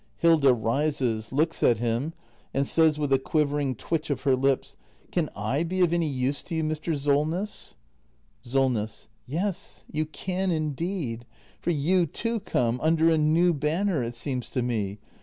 Hilda. [Rises, looks at him, and says with a quivering twitch of her lips.] Can / be of any use to you, Mr. Solness? Solness. Yes, you can indeed! For you, too, come — under a new banner, it seems to me.